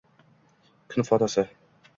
Kun fotosi